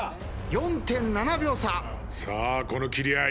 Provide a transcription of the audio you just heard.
さあこの切り合い。